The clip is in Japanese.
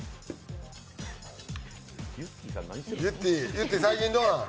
ゆってぃ、最近どうなん？